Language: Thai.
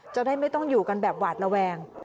จะได้ไม่ต้องอยู่กันแบบหวาดระแวง